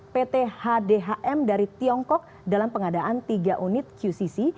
pt hdhm dari tiongkok dalam pengadaan tiga unit qcc